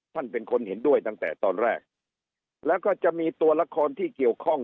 ท่านเป็นคนเห็นด้วยตั้งแต่ตอนแรกแล้วก็จะมีตัวละครที่เกี่ยวข้อง